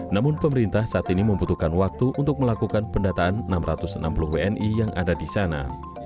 namun pemerintah saat ini membutuhkan waktu untuk melakukan pendataan enam ratus enam puluh wni yang ada di sana